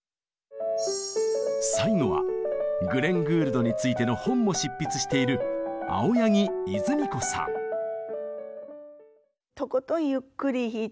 最後はグレン・グールドについての本も執筆している崩さないというか。